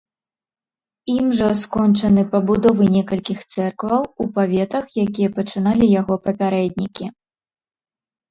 Ім жа скончаны пабудовы некалькіх цэркваў у паветах, якія пачыналі яго папярэднікі.